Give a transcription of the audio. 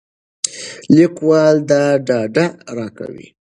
لیکوال دا ډاډ راکوي.